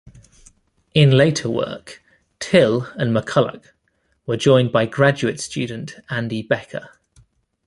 In later work, Till and McCulloch were joined by graduate student Andy Becker.